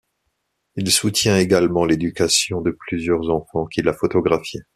Il soutient également l’éducation de plusieurs enfants qu’il a photographié.